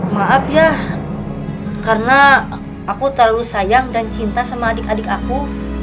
maaf ya karena aku terlalu sayang dan cinta sama adik adik aku